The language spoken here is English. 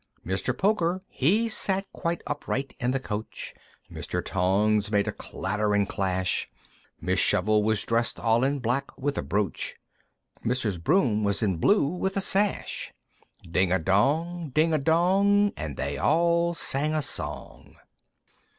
Mr. Poker he sat quite upright in the coach, Mr. Tongs made a clatter and clash, Miss Shovel was dressed all in black (with a brooch), Mrs. Broom was in blue (with a sash). Ding a dong! Ding a dong! And they all sang a song!